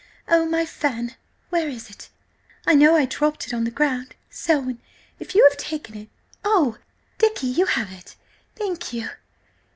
Oh, my fan! Where is it? I know I dropped it on the ground–Selwyn, if you have taken it–Oh, Dicky, you have it! Thank you!